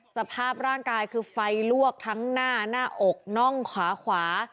สภาพร่างกายคือไฟลวกทั้งหน้าหน้าอกน่องขวาขวา